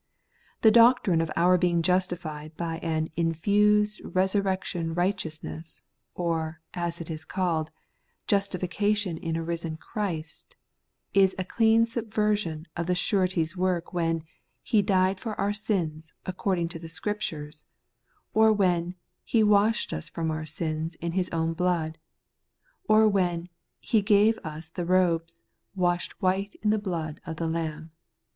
The doctrine of our being justified by an infused resurrection'righteousness, or, as it is called, justifica tion in a risen Christ,^ is a clean subversion of the surety's work when ' He died for our sins, according to the Scriptures,' or when ' He washed us from our sins in His own blood,' or when He gave us the robes ' washed white in the blood of the Lamb.'